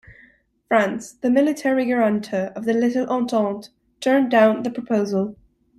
France, the military guarantor of the Little Entente, turned down the proposal.